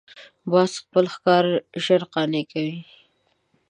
باز خپل ښکار ژر قانع کوي